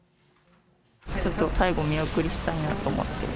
ちょっと、最後見送りしたいなと思って。